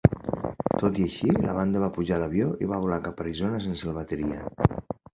Tot i així, la banda va pujar a l'avió i va volar cap a Arizona sense el bateria.